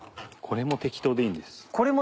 これも適当でいいんですね。